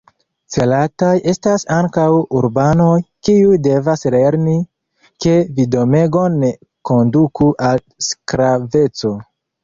Celataj estas ankaŭ urbanoj, kiuj devas lerni, ke vidomegon ne konduku al sklaveco.